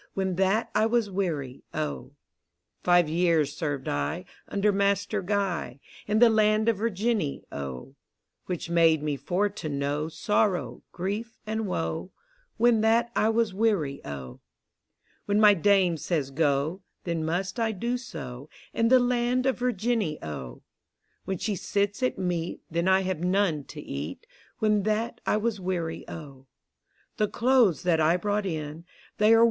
When that I was weary, O. Five years served I Under Master Guy, In the land of Virginny, O: Which made me for to know Sorrow, Grief, and Woe, When that I was wear>', O. Digitized by Google NOTES AND QUERIES. 219 When my Dame says, Go, Then must I do so, In the land of Virginny, O: When she sits at meat Then 1 have none to eat, When that I was weary, O. The cloathes that I brought in, They are.